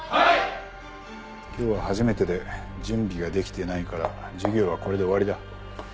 今日は初めてで準備ができてないから授業はこれで終わりだ。